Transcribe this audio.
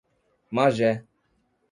Magé